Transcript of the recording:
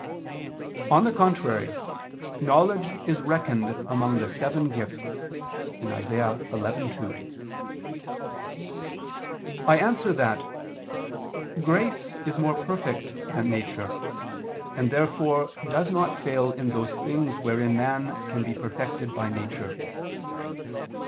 On the contrary, Knowledge is reckoned among the seven gifts (Isa. 11:2). I answer that, Grace is more perfect than nature, and, therefore, does not fail in those things wherein man can be perfected by nature.